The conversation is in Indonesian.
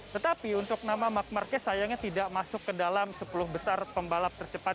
tetapi untuk nama mark marquez sayangnya tidak masuk ke dalam sepuluh besar pembalap tercepat